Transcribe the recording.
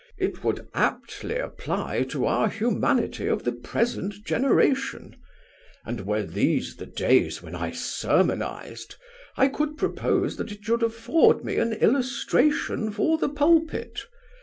It would aptly apply to our humanity of the present generation; and were these the days when I sermonized, I could propose that it should afford me an illustration for the pulpit.